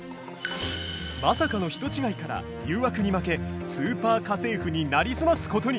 まさかの人違いから誘惑に負け「スーパー家政婦」になりすますことに。